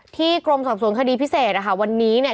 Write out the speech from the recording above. กรมสอบสวนคดีพิเศษนะคะวันนี้เนี่ย